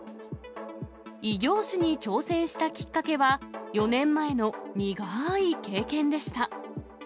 異業種に挑戦したきっかけは、４年前の苦ーい経験でした。